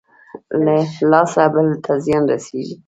له لاسه بل ته زيان رسېږي.